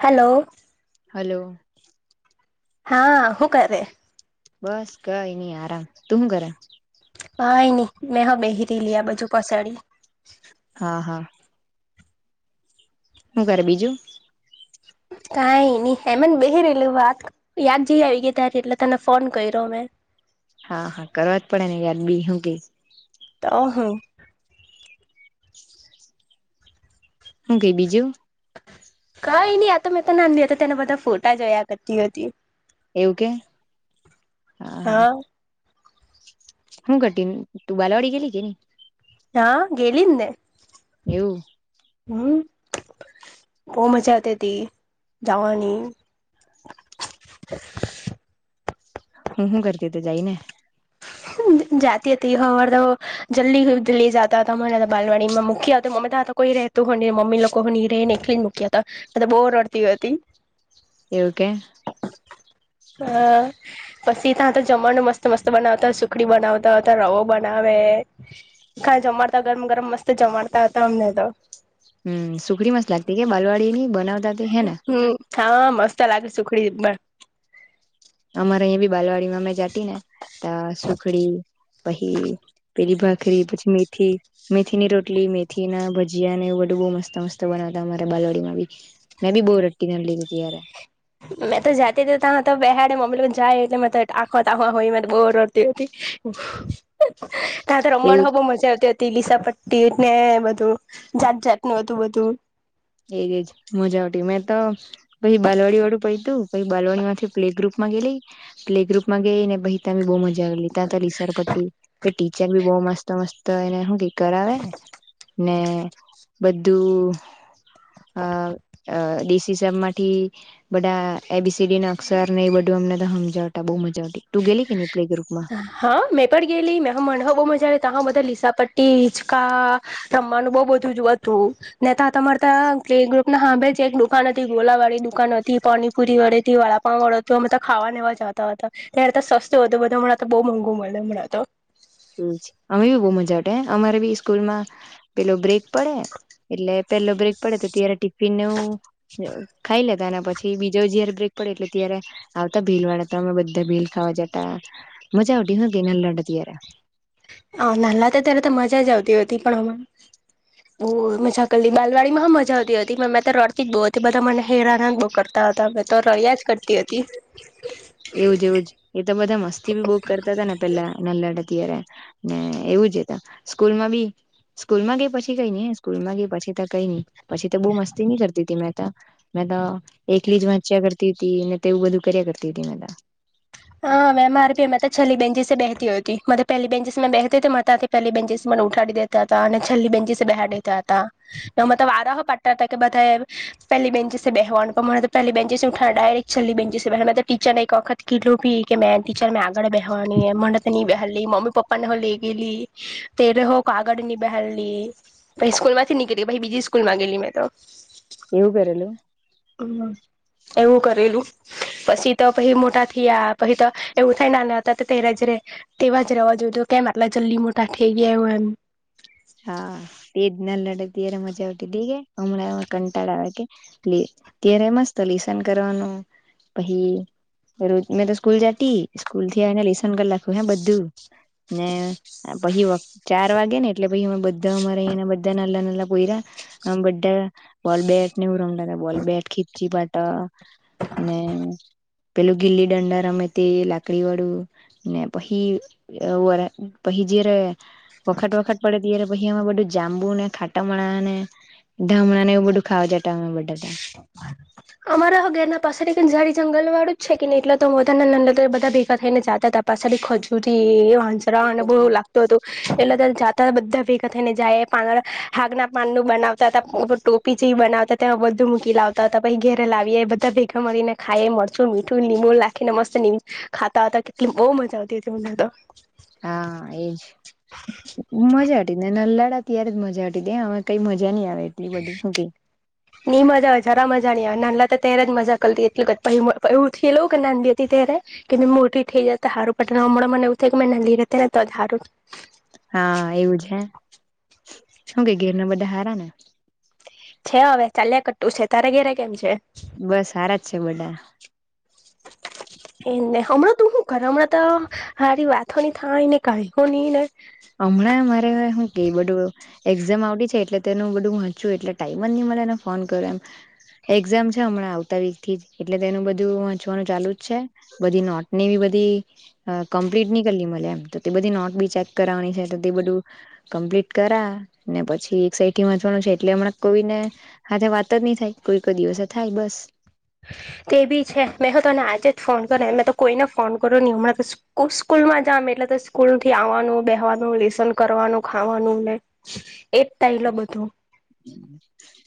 Hello hello હા હું કરે બસ કઈ નઈ આરામ તું હું કરે કઈ નહી મેં હ બહરી લ આ બજુ પસાડી હા હું કરે બીજું [unintelligible] કઈ નહી હેમન બહેરેલું વાત યાદ જઈ આવી ગઈ ત્યારે એટલે તને ફોન કર્યો મેમે હા હા કરવા જ પડે ને યાદ બી શું કેઈ તો અહ હું કઈ બીજું કઈ નહી આતો મેં તો નાની હતી ત્યારના બધા ફોટા જોયા કરતી હતી એવું કે હા હા હું કરતીની તું બાલાવાડી ગેલી કે ન હા ગેલીજને એવું હમ બહુ મજા અ હતી જવાની [unintelligible] હું હું કરતી તો જઈને જાતી હતી હવા જલ્દી હુઇ જતા હતા મને બાલવાડી માં મૂકી આવતો મમ્ દા તો કોઈ રહેતું હોય મમ્મી લોકો હવ ની રહે ને એકલી મ મુક્યા હતાા બો રડતી હતી એવું કે? હ પછી ત્યાં તો જમણ મસ્ત-મસ્ત બનાવતા. સુખડી બનાવતા હતા, રવો બનાવે, ખા જમાડતા ગરમ ગરમ મસ્ત જમાડતા હતામ મ‌ ને‌ તો. હમ્મ સુખડી મસ લાગતી કે બાલવાડીની બનાવ હમ્મ હા મસ્ત લાગે સુખડી પણ. અમારે અહીંયા બી બાલવાડીમાં અમે જાતી ને ત સુખડી પછી પેલી ભાખરી પછી, મેથી મેથીની રોટી રટલી મેથી ના ભજીયા એવ બધું બ મસ્ત મસ્ત બનાવતા મારે બાલોડીમાં બી મેં બી બહુ રડટી. [unintelligible] ય મેં તો જતી હતી ત તો બેહાડે ને મમ્મી લોકો જાય એટલે તો આંખવા તાખવા હોય ગોર રડતી હતી. ત્યા તો એવું રમણ હો બહ મજા આવતી. તેલીસા પટ્ટી ને બધું જાત જાતનું હતું બધું. એજ એજ મજા આવતી મેં તો પછી બાલવાડી વાળું પય તું બાલવાડી માંથી પ્લે ગ્રુપ માં ગેલી પ્લે ગ્રુપમાં ગઈ ને બિતા બહુ મજા જલતા તો રીસર પ્ટી ટીચર બી બહ મસ્ત મસ્ત એને શું કરાવે ને બધું અ ડીસી સાહેબ માંથી બધા એબીસીડી ન અક્ષર ને બધું અમને તો સમજાતા બઉુ મજા ઉતી તું ગેલી કે ની? પ્લે ગ્રુપમાં હા મેં પણ ગેલી મે મન બહુ મજા આવે ત્યા બધા લીસા પટ્ટી, હિચકા, રમવાનું બઉ બધું જ હતું, ને ત્યા તમારે ત્યાં- કે ગ્રુપ ના હાભે એક દુકાનન હતી ગોલા વાળી દુકાન હતી, પાણીપુરી વાળી હતી, વાડાપાવ વાળું હતું અમે તો ખાવ વા જતા હતા. ત્યારે તો સસ્તું હતું બધો તો બહુ મોંઘું મળે હમણાં તો અમે બી બહ મજા અમારે બી સ્કૂલમાં પેલો બ્રેક પડે એટલે પેલો બ્રેક પડે તો ત્યારે ટિફિન નેવું ખાઈ લેતા અને પછી બીજા જયારે બ્રેક પડે એટલે ત્યારે આવતા ભેલ વાળા તમે બધા ભીલ ખાવા જતા મજા. મજા આવતી હતી નાદલા હતા ત્યારે. હ નાલા હતા તો ત્યારે તો મજા જ આવતી હો હતી પણ હમ બ મજાક બાલવાડીમાં હ મજા આવતી હતી મે મેં રડતી જ બઉ હતી બધા મને હેરાન બો કરતા. મેતો રડીયા જ કરતી હતી એવું જ એવું જ એ તો બધા મસ્તી ભી બો કરતા હતા ને પેલા નનલા- ત્યારે ને એવું જ સ્કૂલમાં બી સ્કૂલ માં ગઈ પછી કઈ નઈ સ્કૂલ માં ગઈ પછી તો કઈ નઈ પછી તો બહુ મસ્તી ન કરતી હતી મેં. તો એકલી જ વાંચ્યા કરતી હતી ને તે એવું બધું કર્યા કરતી હતી મેંત. હા મેમ આર કે મેં તો છેલ્લી બેન્ચીસે બેહતી હતી. મને તો પહેલી બેન્ચીસે બેહતે તો મને તાથી પહેલી બેન્ચીસ પ ઉઠાડી દેતા હતા અને છેલ્લી બેન્ચચીસે બેહાદ દેતા હતા ને અમે તો વારા હો પાળ કેતા હતા કે બધા એ પેલી બેન્ચીસે બેહવાનું પણ મને તો પહેલી બેન્ચીસે ઉઠાડે ડાયરેક છેલ્લી બેન્ચીસે બેહાડે મેં તો કી ટીચર ને એક વખત કીધું પી કે મેં ટીચર મેં આગળ બેહેવાની એમ મને તો ની બેહારલી મમ્મી પપ્પાને હો લેઈ ગેયલી તે કે હો, આાગળની બેહારલી પછી સ્કૂલ માંથી નીકળી બીજી સ્કૂલ માં ગેલી મેં તો. એવું કરેલું? હ [unintelligible] એવું કરેલું. પછી તો પહી મોટા થીયા પહી તો એવું થાય નાના હતા તો ત્યારે જે તેવા જ રેવા જોઈતું કેમ આટલા જલ્દી મોટા થેઈ ગીયા એવુ એમ. તે જ નાનલા હતા ત્યારે મજા આવતી તી કે, હમણા અવે કંટાળો આવે કે ત્યારે મસ્ત લી લેશન કરવાનું. પહી રોજ મેં તો સ્કૂલ જતી સ્કૂલ થી આવીને લેસન કર લાખુ હે બધું. ને પહી વખ ચાર વાગે ને! એટલે પહી અમે બધા અમારા અહિંયા ના બધા નાનલા-નાનલા પોયરા અમે બધા બોલ બેટ ને એવું રમતાતા. બોલ-બેટ, ખીચચીપાટા ને પેલું ગીલી દંડા રમે તે, લાકડી વાળું ને પહી અ વર પહી જયારે વખત-વખત પડે ત્યારે પહી આમાં બધું જાંબુ ને ખાટમણા ને ધામણાં ને એવું બધું ખાવા જતા અમે બધા તો. અમારા હો ઘેર ના પાસે અંજારી જંગલ વાળું જ છે કેની એટલે તો મોટા-નાલા બધા ભેગા થઈને જાતાતા. પછાડી ખજૂરી, વાંજરા અને બો લાગતું હતું એટલે ત્યારે જાત તા બધા ભેગા થઈને જાયે પાણ હાગના પાન નું બનાવતાતા ટોપી જેવી બનાવતાતા એ બધુ ધુ મૂકી લાવતા હતા. પહિ ઘેરે લાવીએ બધા ભેગા મળીને ખાએ મરચું, મીઠું, લીબું લાખીને મસ્ત ની ખાતા હતા. બો મજા આવતી હતી મને તો. હા! એજ મજા હટી નાલા અટા ત્યારે જ મજા અટી અવે કે કઈ મજા જા ની આવે એટલી બડી હું કઈ? જાણ્યા નાલા ત્યારે જ મજા કરતી એટલે એવું થેયલુ કે નાંલી હતી ત્યારે કે મેં મોટી થેઈ અતે તો હારું પટે ને અમણાં મને એવુ થાય કે મેં નાલી રહેતેને તોજ હારું. હા! એવું છે. હું કેઈ ઘેર ના બધા હારા ને? છે અવે ચાલ્યા કટું છે, તારે ઘેરે કેમ છે? બસ સારા જ છે બધા. એને હમણાં તું હું કરે અમણાં તો હારી વાતો ની થય ને કાંઈ હો ની ને? અમણાં મારે હું કઈ બધું એક્ઝામ આવીછે એટલે તેનું બધું વાંચું એટલે ટાઈમ જ ની ને એને ફોન કરુ એમ. એક્ઝામ છે અમણાં આવતા વીક થી એટલે તેનું બધું વાંચવાનું ચાલુ જ છે. બધી નોટ ની બી બધ ધી કમ્પલિટ ની કરલી મલે એમ તો તે બધી નોટ બી ચેક કરાવાની છે તો તે બધું કમ્પલિટ કરાને પછી એક સાથે વાંચવાનું છે એટલે હમણાં કોઈને હાથે વાત જ નહી થાય, કોઈ-કોઈ દિવસે થાય બસ. તે બી છે મેં તો તને આજે જ ફોન કર્યો મેં તો કોઈને ફોન કરો ની હમણાં તો સ્કૂ સ્કૂલમાં જામ એટલે તો સ્કૂલ થી આવવાનું બેહેવાનું લેસન કરો વાનું ખાવાનું ને એ જ ટાયલા બધું.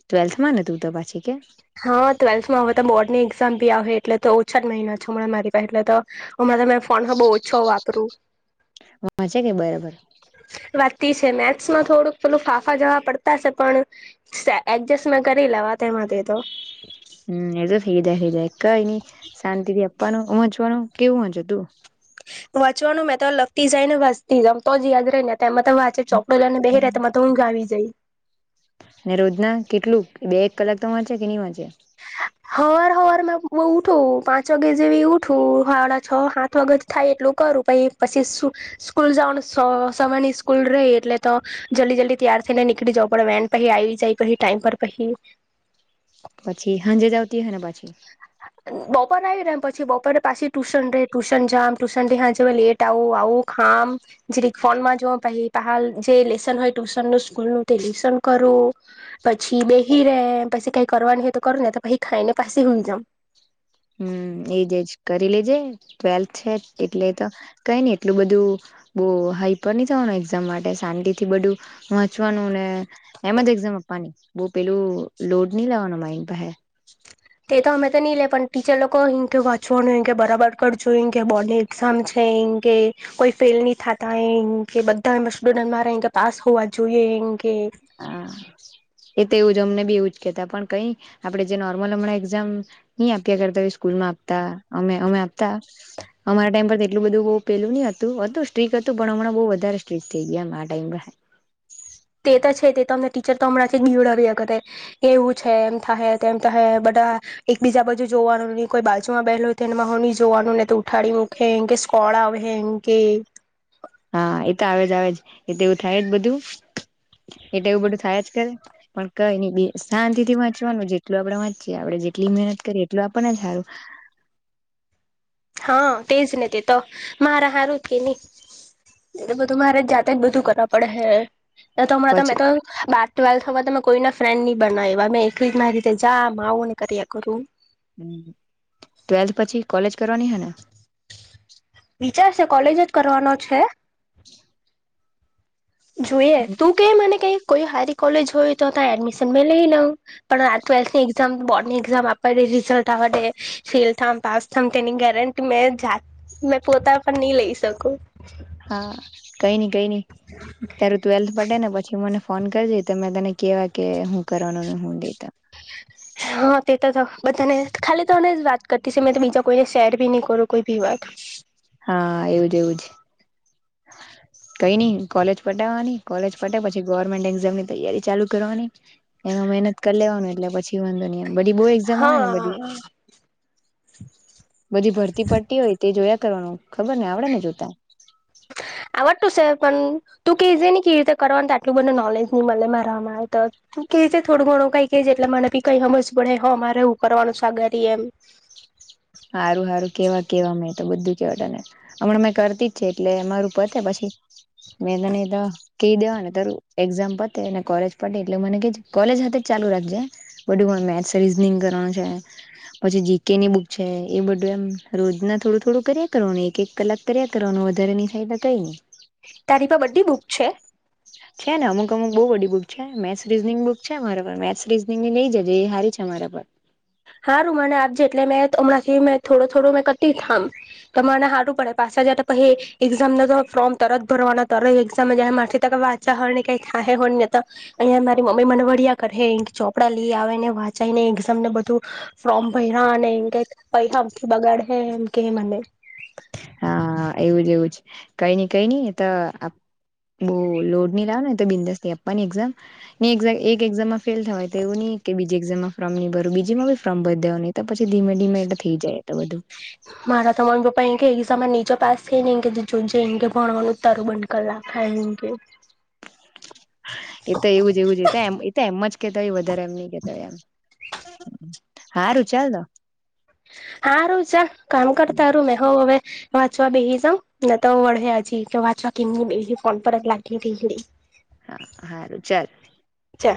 ટ્વેલ્થ માં ને તું તો પાછી? કે હા ટ્વેલ્થમાં અવે તો બોર્ડની એક્ઝામ ભી આવહે એટલે તો ઓછા જ મહિના છો અમણા મારી પાસે એટલે તો અમણાં તો મેં ફોન હો બો ઓછો વાપરું. વાંચે કે બરાબર? વાતી છે મેથ્સમાં થોડુંક પેલું ફાંફા જેવા પડતા છે, પણ એડજસ્ટ મેં કરી લેવા. તેમા તે તો હમ એ તો થેઈ જાય થેઈ જાય કઈની શાંતિ થી આપવાનુંં, વાચવાનું કેવું વાંચે તું? વાંચવાનું મેં તો લગતી જાય ને વાચતી જામ તો જ યાદ રેય ને. એમાં તો વાચે ચોકડ લને બેહે રહે તેમાં તો હું ગ આવી જઈ ને રોજના કેટલું બે એક કલાક તો વાંચે કે નઈં વાંચે હવાર હવાર માં બ ઉઠું પાંચ વાગે જેવી ઉઠું હડા છ સાઠ વાગે થાય એટલું ું પ પછી સ્કૂલ જવાનું સમય ની સ્કૂલ ર એટલે તો જલ્દી જલ્દી ત ઈને નીકળી જવ પડે વેન પછી આવી જાય પછી ટાઈમ પર પછી પછી સાંજે જ આવતી હ ને પછી બપોરે આવી રમ પછી બપોરે પાછી ટ્યુશન રહે ટ્યુશન જામ ટ્યુશનથી હા જ લેટ આવું આવું ખામ જે ર ફોનમાં જો ભાઈ ાલ જે લેસન હોય ટ્યુશન નું સ્કૂલ નું તે લેસન કરું પછી બેહી રેમ પછી કઈ કરવાની હો તો કર ને તો પછ ખાઈ ને પાસે હોન જમ હમ એજજ કરી લેજે ટ્વેલ્થ છે એટલે તો કઈ નને એટલું બધું બહ હાઈપર ની જવાનું એક્ઝામ માટે શાંતિ થી બધું વંચવાનું ને એમ જ એઝામ વાની બહ પેલું લોડ નહી લેવાનો માઇન્ડ હે [inaudible] તે તો અમે તો નહી લે પણ ટીચર લોકો અહી કે વાંચવાનું એ બરાબર કરજો એ કે બોર્ડ ની એક્ઝામ છે એમ કેય કોઈ ફેલ નહી થતા, એય કૈ બધા સ્ટુડન્ટ મારા પાસ હોવા જોઈએ કૈ હા એ, અમને બી એવું કેતા, પણ કઈ આપણેે જે નોર્મલ હમણાં એક્ઝામ નહી આપ્યા કરતા, એવી સ્કૂલમાં આપ અમે, અમે આપતા અમારા ટાઈમ પર એટલું બધું બવ પેલું નઈ હતું, હતું સ્ટ્રીક હતું પણ હમણાં બહુ વધારે સ્ટ્રીટ થઈ ગયા. એમ આ ટાઈમ પર તમને ટીચર તો હમણાંથી બીવડાયા કરે, એવું છે, એમ થાહે તેમ થાહે, બધા એક બીજા બધુ જોવાનું, ની કોઈ બાજુમાં બેહેલો તો એ [inaudible] માં હું નહી જોવાનું ને તો ઉઠાડી મૂખે, એમ કે સ્કોડઆવે એમ કેય. હ [inaudible] હા એ તો આવેજ આવેજ, એ તોવું થાય જ બધું એટે એવું બધું થાયા જ કરે, પણ કઈ ની બેસ શાંતિ થી વાંચવાનું, જેટલું આપડે વાંચીએ આપડે જેટલી મહેનત કરી, એટલું આપણને સારું [unintelligible] હા તે જ ને, તે તો મારાા હારુંત કે નહી.? એટલે બધું, મારે જાતે જ બધું કરવા પડે હે. એ તો હમણાં તમે પછી તો બાર ટવેલ્થ તમે કોઈ ના ફ્રેન્ડ ની બનાવ્યા. મે એકલી જ મારી રીતે જામ આવું ને કર્યા કરું. [unintelligible] ટ્વેલ્થ પછી કોલેજ કરવાની હે ને? વિચાર શે કોલેજ જ કરવાનો છે. જોઈએ. તું કે મને કઈ? કોઈ હારી કોલેજ હોય તો, ત્યા એડમિશન મે લઈ લઉં. પણ આ ટ્વેલ્થની એક્ઝામ બોર્ડ ની એક્ઝામ આપવા દે રિઝલ્ટ અવવાડે, ફેલ થાવ પાસ થાવ તેની ગેરેંટી મે જાત મે પોતા પણ, નહી લઈ શકું. હા, કઈ નઈ, કઈ નઈ તારું ટ્વેલ્થ પતે ને પછી મને ફોન કરજે. તો મેં તને કેવા કે, હું કરવાનું ને હું દેતા. હા, તે તો તો બધાને, ખાલી તોને વાત કરતી છુ. મે તો બીજા કોઈને શેર ભી, નહી કરુ કોઈ ભી વાત. હા એવું જ એવું જ, કઈ નઈ કોલેજ પટાવાની, કોલેજ પટે પછી, ગવર્મેન્ટ એક્ઝામની તૈયારી ચાલુ કરવાની. એમાં મહેનત કરી લેવાનું, એટલે પછી વાંધો નિ આવે. બધી, બહુ એક્ઝામ આવે ને બધી હા બધી ભરતી પડ્તી હોય, તે જોયા કરવાનું ખબર ને, આવડે ને જોતા? આવડતું છે. પણ તું કેજે ની કેવી રીતે કરવાનું? તો આટલું બધુ નોલેજ નહી મળે મારા મા તો, હું કે જે થોડું ઘણું, કઈ કે જે એટલે મને ભી કઈ સમજે પડે, હો મારે એવું કરવાનું સાગરી એમ સારું સારું કેવા! કેવા, મે તો બધું કેવા જાને, હમણાં મેં કરતી જ છે. એટલે મારુ પતે પછી મેં તને તો કહી દેવા ને, તારું એક્ઝામ પતે ને કોલેજ પતે, એટલે મને કે જે કોલેજ નથી ચાલુ રાખજે બધુ, મેથ્સ રીઝનિંગ કરવાનું છે. પછી જીકેની બુક છે એ બધું, એમ રોજ ના થોડું થોડું કર્યા કરવાનું, એક એક કલાક કર્યા કરવાનું વધારે નહી થાય તો કઈ નહી. તારી પાહે બધી બુક છે? છે ને, અમુક અમુક બહુ બડી બુક છે. મેથસ રીઝનિંગ બુક છે મારા પાહે, મેથ્સ રીઝનિંગ ની લઈ જ એ સારી છે. બરાબર! હારૂ માને આપજે, એટલે મેં હમણાંથી મે થોડો થોડો મેં કર્ટી થામ. તમારે હારું પડે, પાછા જ તો પછી એક્ઝામ ન ફોર્મ તરત ભરવાના, તરી જ એક્ઝામ જ માર થી ત વાંચતા હોય ને, કઈ થાહે હોય ને તો અહંયા મારી મમ્મી મને વઢિયા કરે, ચોપડા લઈ આવે ને વાચ અને એક્ઝામ ને બધું ફ્રોમ ભૈરા અને એમ કે હ [inaudible] મથી બગાડ હે એમ કે મને હા, એવું જ એવું જ, કઈ નઈ કઈ નઈ તો, બહુ લોડ નહી લેવાનો, ને તો બિંદાસથી આપવાની એક્ઝામ, ને એક એક્ઝામ માં ફેલ થવાય તેવું ની કે બીજી એક્ઝામ માં ફોમ ની ભરું બીજીમા પણ ફોર્મ ભરી દેવાનુ. નહી તો પછી ધીમે ધીમે એ તો થઈ જાય, એતો બધું મારા તો મમ્મી, પપ્પા એમ કે એકઝામમાં ની જો પાસ થઈ ને કે, જો જે એ કે ભણવાનું તારું બંધ કરાવી, ખાયમ કે એ તો એવું જ એવું જ એ તો તો એમ જ કેતા હોય વધારે એમ ન કેતાય એમ હા રું ચાલ દ હાારું છે કામ કરતાારું મેં હ હવે વાચવા બેહી જા નાને તો વળેજી કે વાચવા કેમ બે કોન પર લાગ કે હા સારું ચાલ છે